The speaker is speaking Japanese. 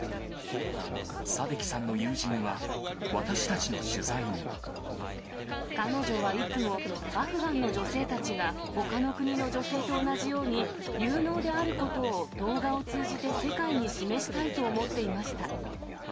サデキさんの友人は、私たちの取彼女はいつも、アフガンの女性たちがほかの国の女性と同じように、有能であることを動画を通じて世界に示したいと思っていました。